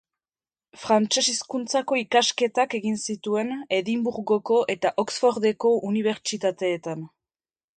Frantses hizkuntzako ikasketak egin zituen Edinburgoko eta Oxfordeko unibertsitateetan.